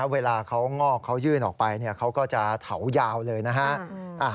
เวลาเขางอกเขายื่นออกไปเขาก็จะเถายาวเลยนะฮะ